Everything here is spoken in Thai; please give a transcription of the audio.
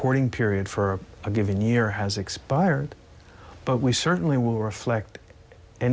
กริเทียสินค้าที่ถูกใช้กับการวิจัย